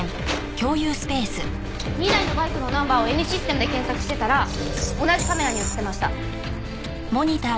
２台のバイクのナンバーをＮシステムで検索してたら同じカメラに映ってました。